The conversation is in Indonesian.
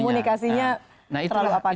komunikasinya terlalu apa deng